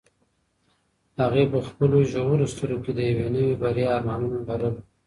هغې په خپلو ژورو سترګو کې د یوې نوې بریا ارمانونه لرل.